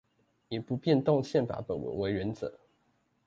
以不變動憲法本文為原則